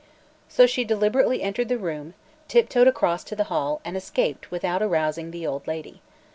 So she deliberately entered the room, tiptoed across to the hall and escaped without arousing the old lady.